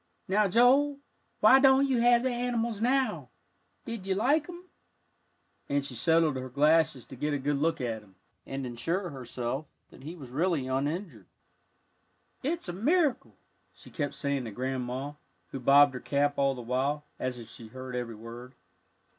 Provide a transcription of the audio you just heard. Now, Joel, why don't you have the animals now? Did you like 'em?" and she settled her glasses to get a good look at him, and assure herself that he was really uninjured. "It's a miracle," she kept saying to Grandma, who bobbed her cap all the while, as if she heard every word.